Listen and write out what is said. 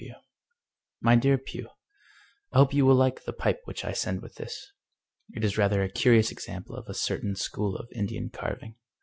W. '^TVI" Y DEAR PuGH — I hope you will like the pipe which I send with this. It is rather a curious example of a certain school of Indian carving.